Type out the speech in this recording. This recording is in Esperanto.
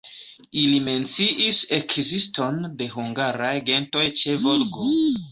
Ili menciis ekziston de hungaraj gentoj ĉe Volgo.